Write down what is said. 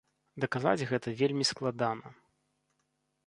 Даказаць гэта вельмі складана.